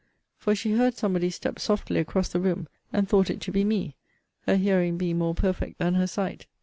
For she heard somebody step softly across the room, and thought it to be me; her hearing being more perfect than her sight.